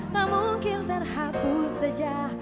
tak mungkin terhapus saja